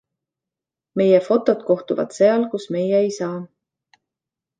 Meie fotod kohtuvad seal, kus meie ei saa.